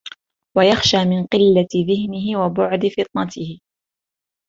وَيَخْشَى مِنْ قِلَّةِ ذِهْنِهِ وَبُعْدِ فِطْنَتِهِ